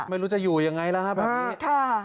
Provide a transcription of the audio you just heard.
ไม่รู้จะอยู่ยังไงแล้วครับแบบนี้